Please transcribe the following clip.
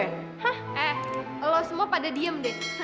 hah eh lo semua pada diem deh